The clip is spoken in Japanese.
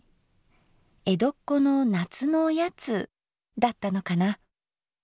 江戸っ子の夏のおやつだったのかな。